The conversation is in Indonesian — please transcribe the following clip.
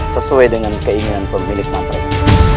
sesuai dengan keinginan pemilik mantra itu